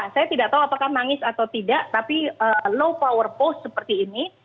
saya tidak tahu apakah nangis atau tidak tapi low power post seperti ini